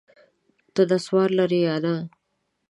ته نسوار لرې یا نه؟